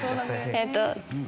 えっと。